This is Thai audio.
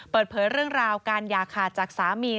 เปิดเผยเรื่องราวการอย่าขาดจากสามี